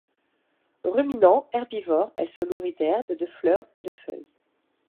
Ruminant, herbivore, elle se nourrit d'herbes, de fleurs, de feuilles.